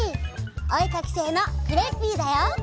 おえかきせいのクレッピーだよ！